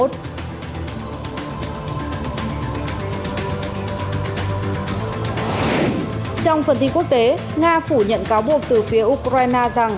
trong phần tin quốc tế nga phủ nhận cáo buộc từ phía ukraine rằng